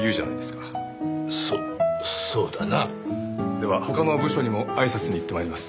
では他の部署にもあいさつに行って参ります。